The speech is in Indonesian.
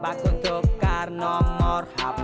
bapak kutubkar nomor hp